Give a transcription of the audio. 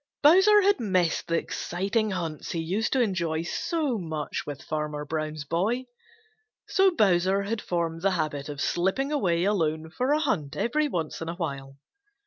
Bowser had missed the exciting hunts he used to enjoy so much with Farmer Brown's boy. So Bowser had formed the habit of slipping away alone for a hunt every once in a while.